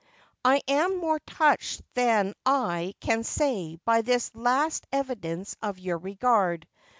I am more touched than I can say by this last evidence of your regard.